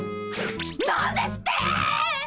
何ですって！